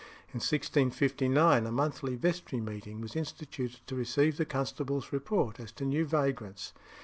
In 1659 a monthly vestry meeting was instituted to receive the constable's report as to new vagrants.